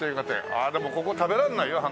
あっでもここ食べられないよ花。